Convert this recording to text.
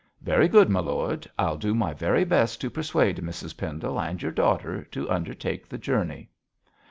'Very good, my lord. I'll do my very best to persuade Mrs Pendle and your daughter to undertake the journey.'